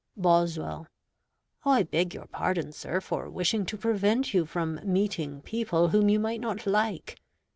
Boswell I beg your pardon, sir, for wishing to prevent you from meeting people whom you might not like.